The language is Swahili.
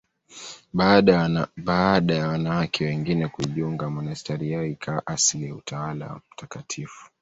Baada ya wanawake wengine kujiunga, monasteri yao ikawa asili ya Utawa wa Mt.